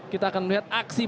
kita akan melihat aksi